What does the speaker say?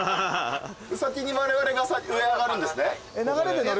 先にわれわれが上上がるんですね。